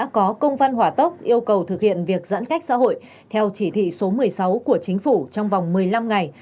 có công văn hỏa tốc yêu cầu thực hiện việc giãn cách xã hội theo chỉ thị số một mươi sáu của chính phủ trong vòng một mươi năm ngày